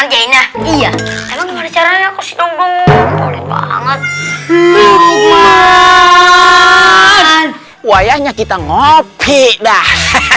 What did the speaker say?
aja ini iya emang gimana caranya aku sih nunggu boleh banget wajahnya kita ngopi dah